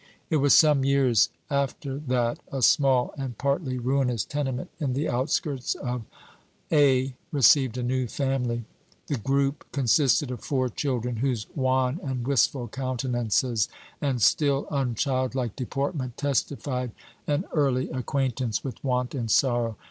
It was some years after that a small and partly ruinous tenement in the outskirts of A. received a new family. The group consisted of four children, whose wan and wistful countenances, and still, unchildlike deportment, testified an early acquaintance with want and sorrow.